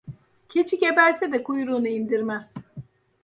Keçi geberse de kuyruğunu indirmez.